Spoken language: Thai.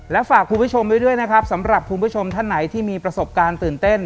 และฝากคุณผู้ชมไว้ด้วยนะครับสำหรับคุณผู้ชมท่านไหนที่มีประสบการณ์ตื่นเต้น